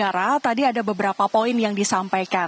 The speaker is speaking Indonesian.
yara tadi ada beberapa poin yang disampaikan